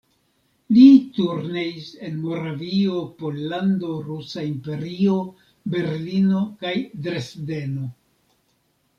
Li turneis en Moravio, Pollando, Rusa Imperio, Berlino kaj Dresdeno.